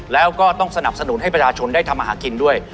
แล้วก็ต้องสนับสนุนให้ประชาชนได้ทำอาหารกินด้วย